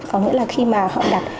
có nghĩa là khi mà họ đặt